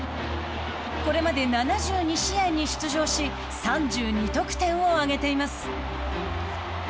これまで７２試合に出場し３２得点を挙げています。